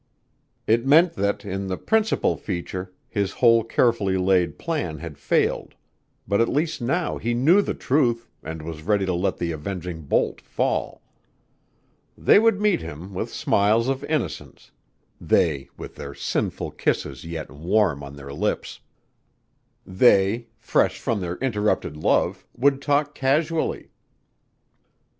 It meant that, in the principal feature, his whole carefully laid plan had failed, but at least now he knew the truth and was ready to let the avenging bolt fall. They would meet him with smiles of innocence: they with sinful kisses yet warm on their lips. They, fresh from their interrupted love, would talk casually.